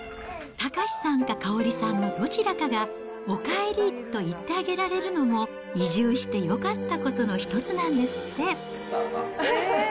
岳さんか香織さんのどちらかが、おかえりと言ってあげられるのも、移住してよかったことの一つなんですって。